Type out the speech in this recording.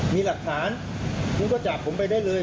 มีหลักฐานคุณก็จับผมไปได้เลย